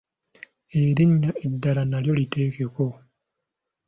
Erinnya eddala nalyo liteekeko.